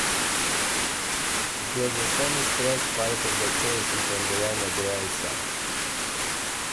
It was a semi-stressed part of the chassis and ran a dry sump.